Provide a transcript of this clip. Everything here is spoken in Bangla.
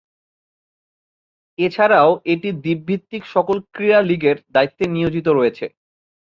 এছাড়াও এটি দ্বীপ ভিত্তিক সকল ক্রীড়া লীগের দায়িত্বে নিয়োজিত রয়েছে।